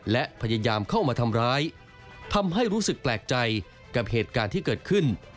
และพยายามเข้ามาทำร้ายทำให้รู้สึกแปลกใจกับเหตุการณ์ที่เกิดขึ้น